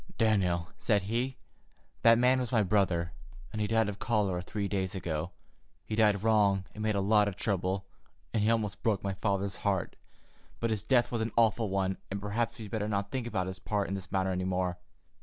"Daniel," said he, "that man was my brother, and he died of cholera three days ago. He did wrong and made a lot of trouble, and he almost broke my father's heart, but his death was an awful one, and perhaps we'd better not think about his part in this matter any more.